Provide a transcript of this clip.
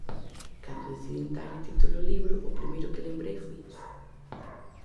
Cando decidín darlle título ao libro, o primeiro que lembrei foi iso.